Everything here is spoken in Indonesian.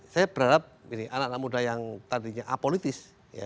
saya berharap anak anak muda yang tadinya apolitis